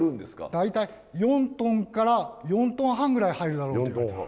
大体４トンから４トン半ぐらい入るだろうといわれてます。